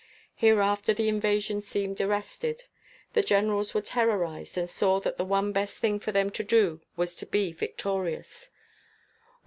Hereafter the invasion seemed arrested; the Generals were terrorized and saw that the one best thing for them to do was to be victorious.